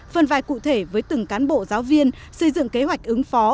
phân vai cụ thể với từng cán bộ giáo viên xây dựng kế hoạch ứng phó